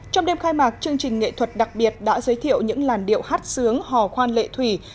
trong đêm khai mạc chương trình nghệ thuật đặc biệt đã giới thiệu những làn điệu hát sướng hò khoan lệ thủy